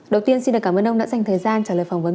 đầu tiên xin được cảm ơn ông đã dành thời gian trả lời phỏng vấn